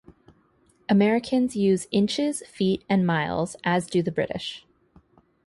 Americans use inches, feet, and miles, as do the British.